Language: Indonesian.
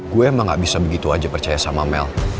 gue emang gak bisa begitu aja percaya sama mel